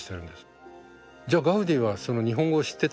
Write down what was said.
じゃあガウディはその日本語を知ってたのか？